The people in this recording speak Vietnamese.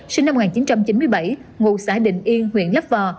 sinh năm một nghìn chín trăm chín mươi bảy ngụ xã đình yên huyện lắp vò